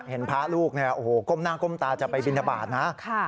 เห็นพระลูกเนี่ยโอ้โหก้มหน้าก้มตาจะไปบินทบาทนะ